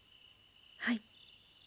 はい。